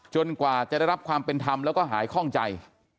กว่าจะได้รับความเป็นธรรมแล้วก็หายคล่องใจ